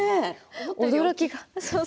驚きが。